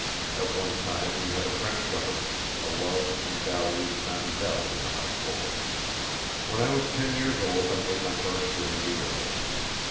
At one time we had a French governess, a loved and valued "mam'selle," in the household. When I was ten years old I made my first journey to Europe.